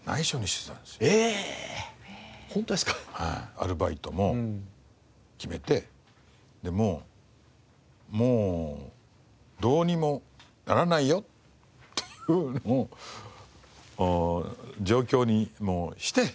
アルバイトも決めてもうもうどうにもならないよっていう状況にもうして。